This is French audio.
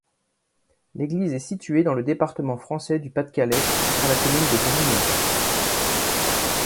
L'église est située dans le département français du Pas-de-Calais, sur la commune de Brimeux.